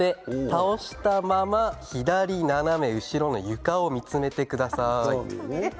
倒したまま左斜め後ろの床を見つめてください。